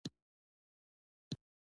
راروان دی خو پوهیږي نه چې څنګه